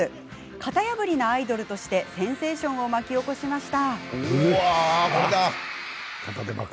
型破りなアイドルとしてセンセーションを巻き起こしました。